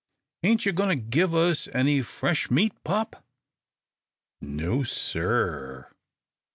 "Ain't you goin' to give us any fresh meat, pop?" "No, sir r r."